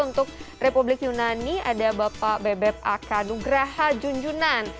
untuk republik yunani ada bapak bebeb akanugraha junjunan